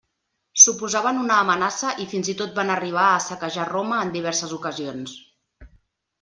Suposaven una amenaça i fins i tot van arribar a saquejar Roma en diverses ocasions.